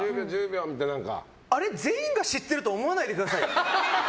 あれ、全員が知ってると思わないでくださいよ！